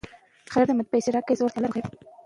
مهاراجا د سند رود ته نږدې اوسېده.